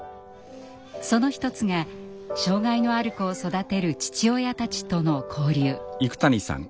その一つが障害のある子を育てる父親たちとの交流。